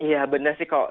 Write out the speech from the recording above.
ya benar sih kok